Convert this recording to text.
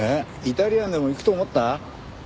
イタリアンでも行くと思った？